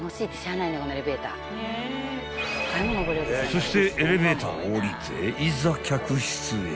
［そしてエレベーターを降りていざ客室へ］